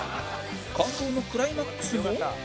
感動のクライマックスも